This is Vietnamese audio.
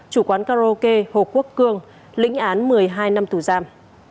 chủ quán karaoke hồ quốc cường lĩnh án một mươi hai năm tủ giam